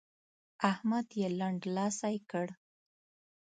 احمد يې لنډلاسی کړ.